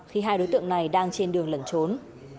khi hai đối tượng này đang trên đường lẩn trốn